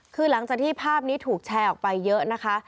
คือหลังจากที่ภาพนี้ถูกแชร์ออกไปเยอะนะคะ